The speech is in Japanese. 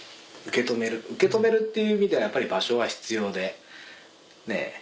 受け止めるっていう意味ではやっぱり場所が必要でね。